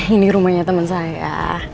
ini rumahnya temen saya